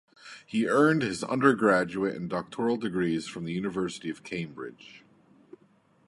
He earned his undergraduate and doctoral degrees from the University of Cambridge.